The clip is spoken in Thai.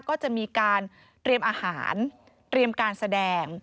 ก็จะมีการเตรียมอาหารเตรียมการแสดง